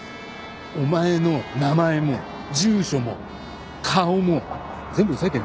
お前の名前も住所も顔も全部押さえてんだからな。